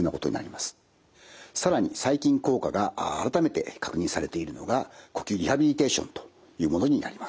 更に最近効果が改めて確認されているのが呼吸リハビリテーションというものになります。